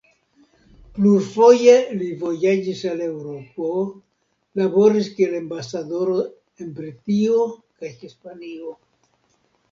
Plurfoje li vojaĝis al Eŭropo, laboris kiel ambasadoro en Britio kaj Hispanio.